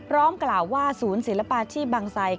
กล่าวว่าศูนย์ศิลปาชีพบางไซค